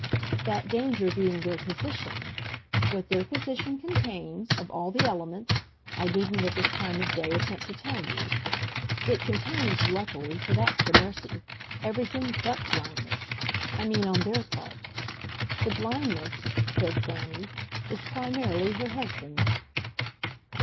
"That danger being their position. What their position contains of all the elements I needn't at this time of day attempt to tell you. It contains, luckily for that's the mercy everything BUT blindness: I mean on their part. The blindness," said Fanny, "is primarily her husband's."